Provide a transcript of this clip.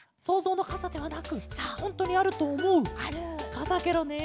かさケロねえ。